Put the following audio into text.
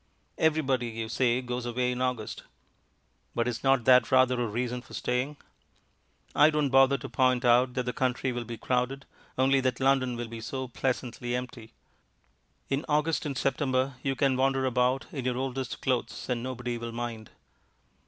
Everybody, you say, goes away in August; but is not that rather a reason for staying? I don't bother to point out that the country will be crowded, only that London will be so pleasantly empty. In August and September you can wander about in your oldest clothes and nobody will mind.